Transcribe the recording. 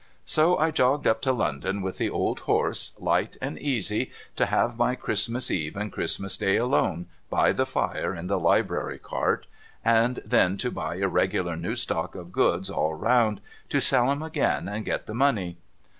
So I jogged up to London with the old horse, light and easy, to have my Christmas eve and Christmas day alone by the fire in the Library Cart, and then to buy a regular new stock of goods all round, to sell 'em again and get the money.